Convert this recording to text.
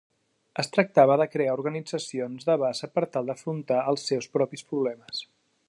Es tractava de crear organitzacions de base per tal d'enfrontar els seus propis problemes.